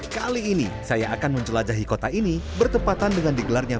kali ini saya akan menjelajahi kota ini bertepatan dengan digelarnya